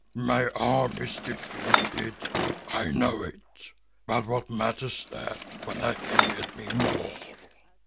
My army is defeated—I know it. But what matters that when I can get me more?